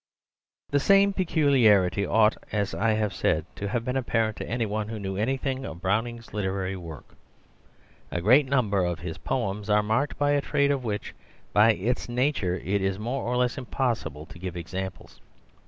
The same peculiarity ought, as I have said, to have been apparent to any one who knew anything of Browning's literary work. A great number of his poems are marked by a trait of which by its nature it is more or less impossible to give examples.